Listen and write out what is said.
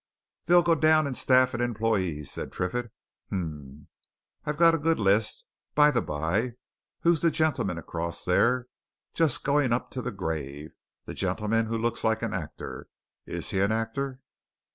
"They'll go down in staff and employees," said Triffitt. "Um I've got a good list. By the by, who's the gentleman across there just going up to the grave the gentleman who looks like an actor? Is he an actor?"